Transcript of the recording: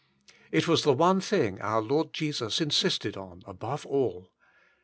It was the one thing our Lord Jesus insisted on above all.